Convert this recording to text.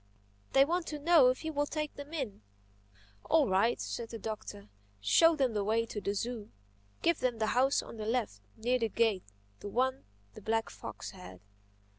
They want to know if you will take them in." "All right," said the Doctor. "Show them the way to the zoo. Give them the house on the left, near the gate—the one the black fox had.